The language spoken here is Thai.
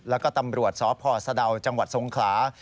แล้วก็ตำรวจสพสะดาวจังหวัดทรงขลา